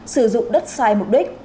sử dụng đất xoay mục đích